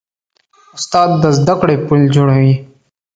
استاد د زدهکړې پل جوړوي.